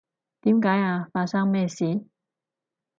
點解呀？發生咩事？